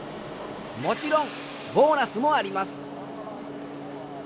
もちろんボーナスもあります。